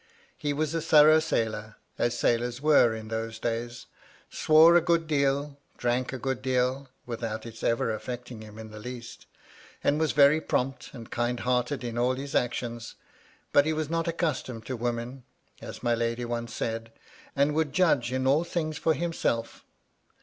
He was a thorough sailor, as sailors were in those days — swore a good deal, drank a good deal (without its ever afiecting him in the least), and was very prompt and kind hearted in all his actions; but he was not accustomed to women, as my lady once said, and would judge in all things for himself.